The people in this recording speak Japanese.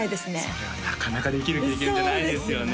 それはなかなかできる経験じゃないですよね